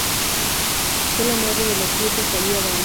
Fue la madre de la actriz Rosalía Dans.